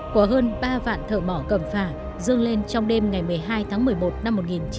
quả hơn ba vạn thợ mỏ cầm phà dương lên trong đêm ngày một mươi hai tháng một mươi một năm một nghìn chín trăm ba mươi sáu